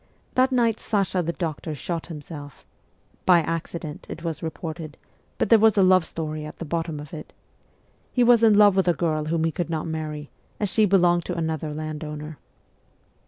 That night Sasha the Doctor shot himself by acci dent, it was reported ; but there was a love story at the bottom of it. He was in love with a girl whom he could not marry, as she belonged to another landowner.